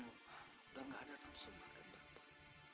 udah gak ada langsung makan bapak